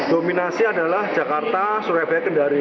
dominasi adalah jakarta surabaya kendari